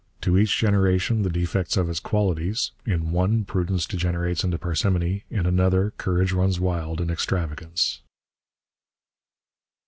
To each generation the defects of its qualities; in one prudence degenerates into parsimony, in another courage runs wild in extravagance.